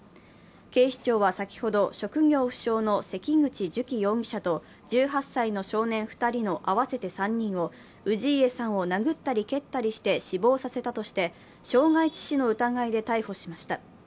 警視庁は先ほど、職業不詳の関口寿喜容疑者と１８歳の少年２人の合わせて３人を、氏家さんを殴ったり蹴ったりして死亡させたとして、傷害致死の疑いで逮捕しました。